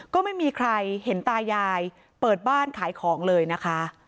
ก็ไม่มีใครเห็นตายายเปิดบ้านขายของเลยนะคะ